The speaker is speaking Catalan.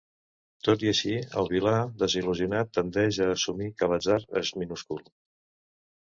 Tot i així, el vilà desil·lusionat tendeix a assumir que l'atzar és minúscul.